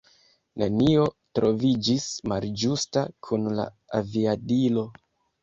Nenio troviĝis malĝusta kun la aviadilo.